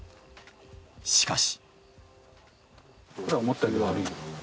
しかし。